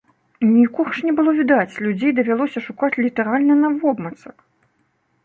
Нікога ж не было відаць, людзей давялося шукаць літаральна навобмацак.